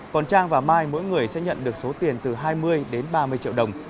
còn trang và mai mỗi người sẽ nhận được số tiền từ hai mươi đến ba mươi triệu đồng